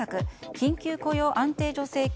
緊急雇用安定助成金